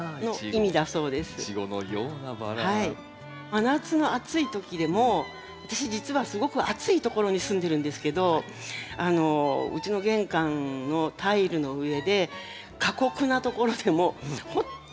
真夏の暑い時でも私実はすごく暑いところに住んでるんですけどうちの玄関のタイルの上で過酷なところでもほんとに繰り返しよく咲いてくれる。